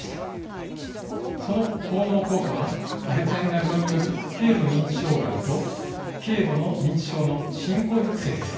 その効能・効果はアルツハイマー病による軽度認知障害と軽度の認知症の進行抑制です。